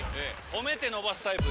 褒めて伸ばすタイプ。